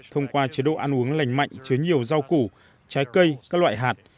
thông qua chế độ ăn uống lành mạnh chứa nhiều rau củ trái cây các loại hạt